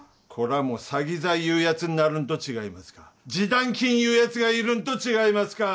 もう詐欺罪いうやつなるんと違いますか示談金いうやつがいるんと違いますか！？